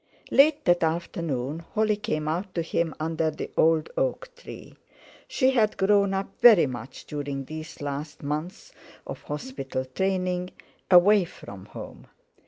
Late that afternoon Holly came out to him under the old oak tree. She had grown up very much during these last months of hospital training away from home.